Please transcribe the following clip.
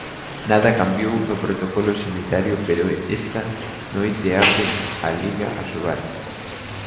Nada cambiou no protocolo sanitario pero esta noite abre a Liga Asobal.